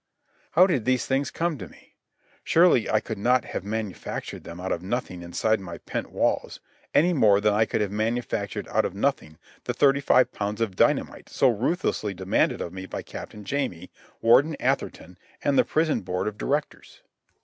How did these things come to me? Surely I could not have manufactured them out of nothing inside my pent walls any more than could I have manufactured out of nothing the thirty five pounds of dynamite so ruthlessly demanded of me by Captain Jamie, Warden Atherton, and the Prison Board of Directors.